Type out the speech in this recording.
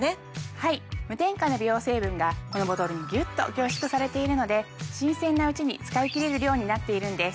はい無添加の美容成分がこのボトルにギュッと凝縮されているので新鮮なうちに使い切れる量になっているんです。